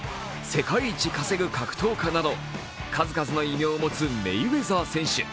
世界一稼ぐ格闘家など数々の異名を持つメイウェザー選手。